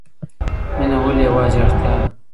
مینه ولي یوازې اړتیا ده؟